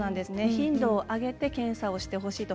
頻度を上げて検査をしてほしいと。